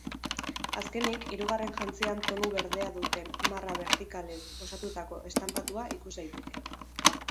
Azkenik, hirugarren jantzian tonu berdea duten marra bertikalez osatutako estanpatua ikus daiteke.